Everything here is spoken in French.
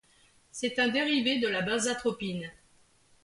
C'est un dérivé de la benzatropine.